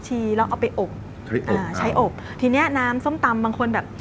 เหมือนกินก้มตำเลย